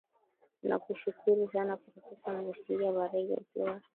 aa nakushukuru sana profesa mwesiga baregu ukiwa